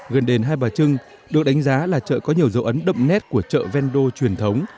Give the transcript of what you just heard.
gần đền hai bà trưng được đánh giá là chợ có nhiều dấu ấn đậm nét của chợ vendo truyền thống